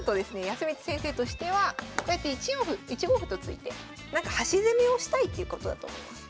康光先生としてはこうやって１四歩１五歩と突いて端攻めをしたいっていうことだと思います。